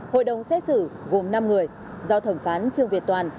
hội đồng xét xử gồm năm người do thẩm phán trương việt toàn